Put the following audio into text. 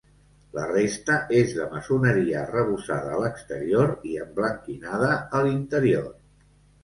La resta és de maçoneria arrebossada a l'exterior i emblanquinada a l'interior.